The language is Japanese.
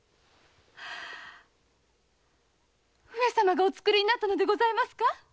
上様がお作りになったのでございますか？